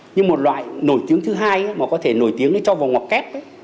nhưng một loại nổi tiếng thứ hai mà có thể nổi tiếng cho vào ngoặc kép